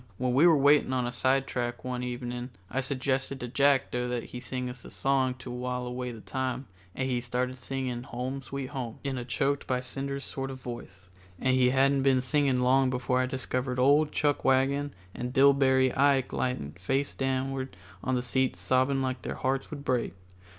When we were waiting on a sidetrack one evening I suggested to Jackdo that he sing us a song to while away the time, and he started in singing "Home, Sweet Home," in a choked by cinders sort of voice, and he hadn't been singing long before I discovered old Chuckwagon and Dillbery Ike lying face downward on the seats sobbing like their hearts would break.